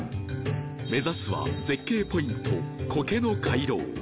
目指すは絶景ポイント「苔の回廊」